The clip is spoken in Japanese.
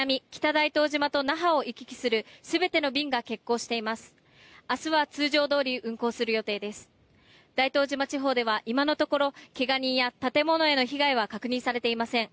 大東島地方では今のところ怪我人や建物への被害は確認されていません。